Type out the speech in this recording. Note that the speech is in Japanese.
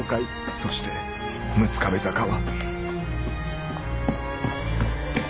そして六壁坂は。